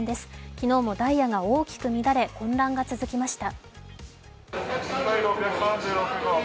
昨日もダイヤが大きく乱れ、混乱が続きました。